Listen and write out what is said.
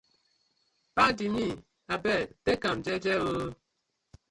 Paadi mi abeg tak am jeje ooo.